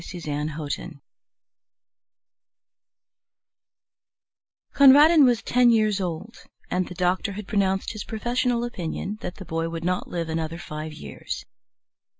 SREDNI VASHTAR Conradin was ten years old, and the doctor had pronounced his professional opinion that the boy would not live another five years.